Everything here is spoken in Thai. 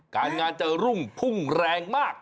การงานจะรุ่งพุ่งแรงมาก